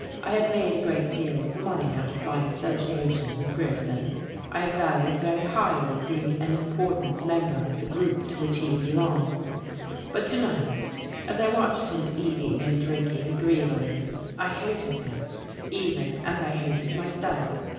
I had made a great deal of money out of my association with Grierson, I had valued very highly being an important member of the group to which he belonged; but to night, as I watched him eating and drinking greedily, I hated him even as I hated myself.